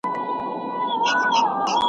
ایا افغان سوداګر تور ممیز اخلي؟